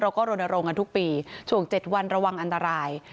เราก็โรนโรงกันทุกปีช่วง๗วันระวังอันตราย